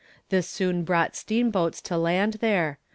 This soon brought steamboats to land there.